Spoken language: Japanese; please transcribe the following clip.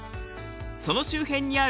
その周辺にある南